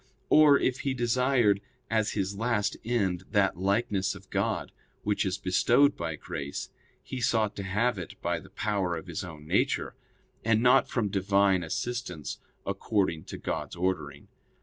Or, if he desired as his last end that likeness of God which is bestowed by grace, he sought to have it by the power of his own nature; and not from Divine assistance according to God's ordering.